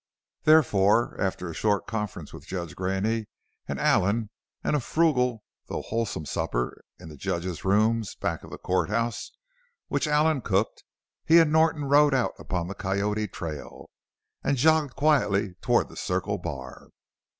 Therefore, after a short conference with Judge Graney and Allen and a frugal, though wholesome supper in the Judge's rooms back of the court house which Allen cooked he and Norton rode out upon the Coyote trail and jogged quietly toward the Circle Bar.